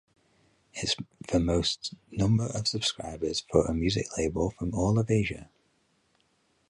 It's the most number of subscribers for a music label from all of Asia.